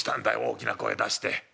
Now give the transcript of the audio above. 大きな声出して。